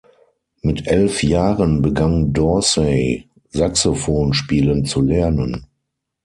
Mit elf Jahren begann Dorsey Saxophon spielen zu lernen.